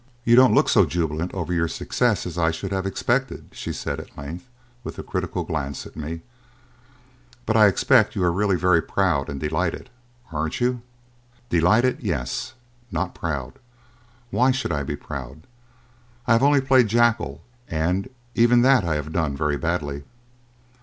"You don't look so jubilant over your success as I should have expected," she said at length, with a critical glance at me; "but I expect you are really very proud and delighted, aren't you?" "Delighted, yes; not proud. Why should I be proud? I have only played jackal, and even that I have done very badly."